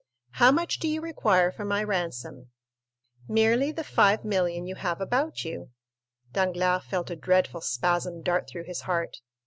"How much do you require for my ransom?" "Merely the 5,000,000 you have about you." Danglars felt a dreadful spasm dart through his heart.